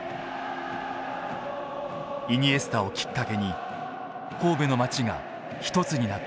イニエスタをきっかけに神戸の街が一つになっていた。